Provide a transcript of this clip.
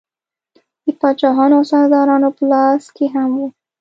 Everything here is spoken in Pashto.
د پاچاهانو او سردارانو په لاس کې هم وه.